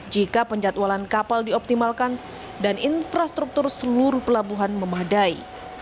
jika penjatualan kapal dioptimalkan dan infrastruktur seluruh pelabuhan memadai